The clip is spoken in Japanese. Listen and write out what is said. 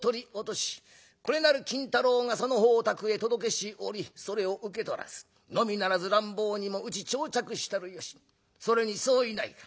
これなる金太郎がその方宅へ届けし折それを受け取らずのみならず乱暴にも打ち打擲したるよしそれに相違ないか？